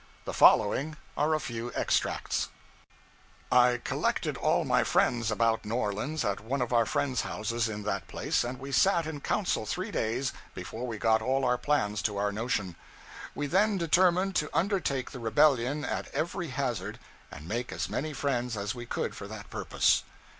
The following are a few extracts: 'I collected all my friends about New Orleans at one of our friends' houses in that place, and we sat in council three days before we got all our plans to our notion; we then determined to undertake the rebellion at every hazard, and make as many friends as we could for that purpose.